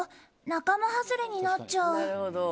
仲間外れになっちゃう。